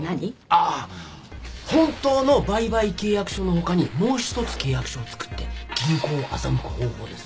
ああ本当の売買契約書の他にもう一つ契約書を作って銀行を欺く方法です。